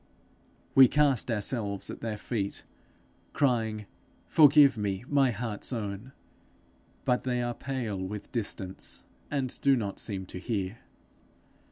We cast ourselves at their feet, crying, Forgive me, my heart's own! but they are pale with distance, and do not seem to hear.